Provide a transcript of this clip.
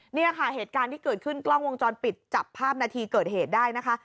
เนี่ยค่ะเหตุการณ์ที่เกิดขึ้นกล้องวงจรปิดจับภาพนาทีเกิดเหตุได้นะคะ